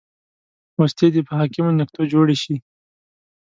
پوستې دې په حاکمو نقطو جوړې شي